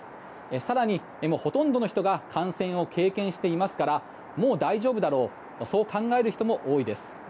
更に、ほとんどの人が感染を経験していますからもう大丈夫だろうそう考える人も多いです。